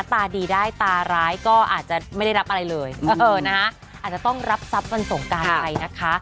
ตาดีได้ตาร้ายก็อาจจะไม่ได้รับอะไรเลยอาจจะต้องรับทรัพย์วันสงการไปนะคะ